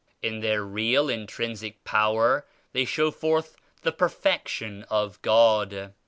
In their real intrinsic power they show forth the Perfection of God.